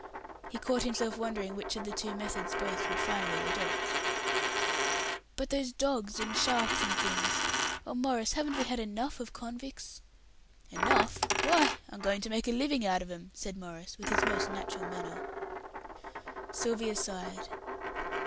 He caught himself wondering which of the two methods both would finally adopt. "But those dogs, and sharks, and things. Oh, Maurice, haven't we had enough of convicts?" "Enough! Why, I'm going to make my living out of 'em," said Maurice, with his most natural manner. Sylvia sighed.